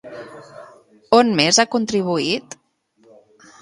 On més ha contribuït?